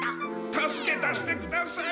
助け出してください。